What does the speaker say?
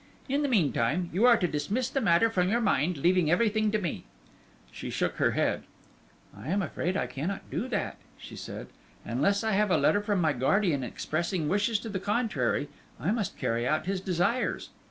In the meantime you are to dismiss the matter from your mind, leaving everything to me." She shook her head. "I am afraid I cannot do that," she said. "Unless I have a letter from my guardian expressing wishes to the contrary, I must carry out his desires.